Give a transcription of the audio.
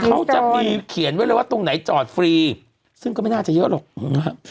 เขาจะมีเขียนไว้เลยว่าตรงไหนจอดฟรีซึ่งก็ไม่น่าจะเยอะหรอกนะฮะ